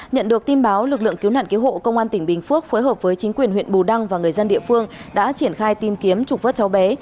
nhận được tin báo lực lượng cứu nạn cứu hộ công an tỉnh bình phước phối hợp với chính quyền huyện bù đăng và người dân địa phương đã triển khai tìm kiếm trục vớt cháu bé